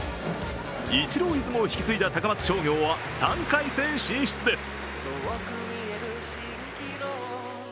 イチローイズムを引き継いだ高松商業は３回戦進出です。